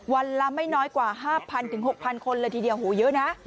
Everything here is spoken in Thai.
วันละไม่น้อยกว่า๕๐๐ถึง๖๐๐คนเลยทีเดียวโหเยอะนะ